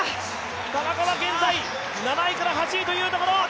田中は現在７位から８位というところ。